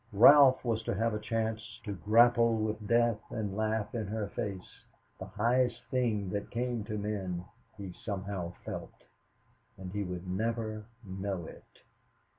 Ralph was to have a chance to grapple with death and laugh in her face the highest thing that came to men, he somehow felt; and he would never know it.